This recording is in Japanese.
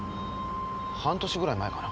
半年ぐらい前かな？